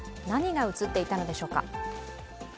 何が写っていたのでしょうか？